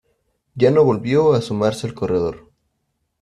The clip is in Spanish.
Ya no volvió a asomarse al corredor.